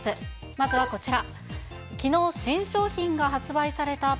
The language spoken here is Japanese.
まずはこちら。